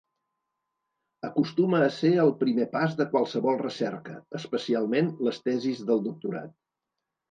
Acostuma a ser el primer pas de qualsevol recerca, especialment les tesis del doctorat.